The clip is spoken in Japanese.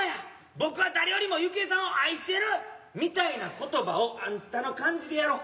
僕は誰よりも幸恵さんを愛してる」みたいな言葉をあんたの感じでやろう。